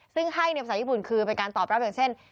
ซึ่งให้ในภาษาญี่ปุ่นคือเป็นการตอบรับอย่างเช่น